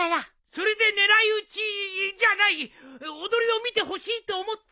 それで『狙いうち』じゃない踊りを見てほしいと思ったんじゃよ！